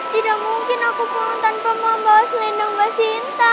tidak mungkin aku pulang tanpa membawa selendang mbak sinta